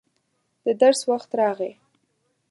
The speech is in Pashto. د درس وخت راغی.